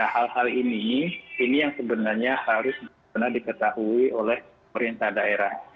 hal hal ini ini yang sebenarnya harus benar diketahui oleh pemerintah daerah